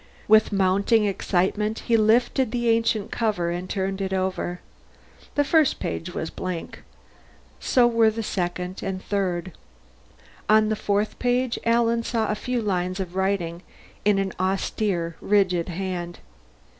With mounting excitement he lifted the ancient cover and turned it over. The first page of the book was blank; so were the second and third. On the fourth page, Alan saw a few lines of writing, in an austere, rigid hand.